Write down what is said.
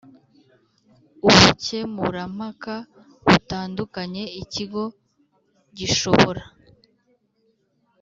Ubukemurampaka butandukanye ikigo gishobora